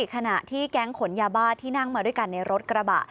ขณะที่แก๊งขนยาบ้าที่นั่งมาด้วยกันในรถกระบะ